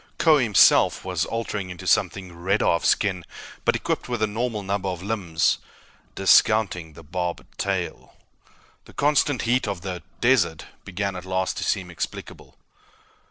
Kbo himself was altering into something redder of skin but equipped with a normal number of limbs, discounting the barbed tail. The constant heat of the "desert" began, at last, to seem explicable.